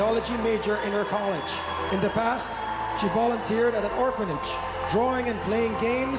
คนนั้นก็คือแม่หลวงของดิฉันค่ะ